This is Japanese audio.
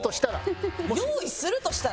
用意するとしたら。